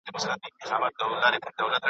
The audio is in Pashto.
چي یې وکتل منګول ته خامتما سو .